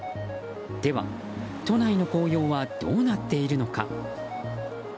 では、都内の紅葉はどうなっているのか。